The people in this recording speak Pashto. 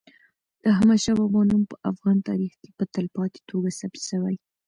د احمد شاه بابا نوم په افغان تاریخ کي په تلپاتې توګه ثبت سوی.